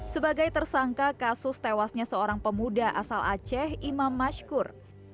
sebagai tersangka kasus tewasnya seorang pemuda asal aceh imam mashkur